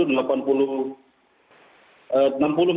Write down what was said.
jadi ini adalah hal yang sangat diperhatikan